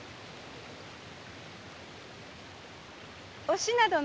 おしな殿。